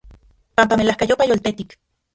Panpa melajkayopa yoltetik.